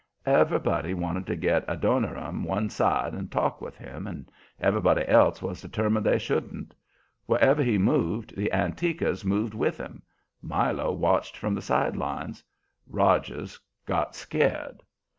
Everybody wanted to get Adoniram one side and talk with him, and everybody else was determined they shouldn't. Wherever he moved the "Antiquers" moved with him. Milo watched from the side lines. Rogers got scared.